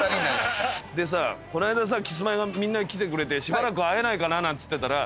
でさこないだキスマイがみんな来てくれてしばらく会えないかななんつってたら。